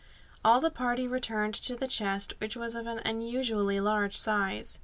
All the party returned to the chest, which was of an unusually large size.